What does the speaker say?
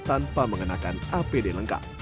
tanpa mengenakan apd lengkap